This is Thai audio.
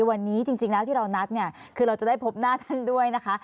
วันนี้จริงแล้วที่เรานัดเนี่ยคือเราจะได้พบหน้าท่านด้วยนะคะ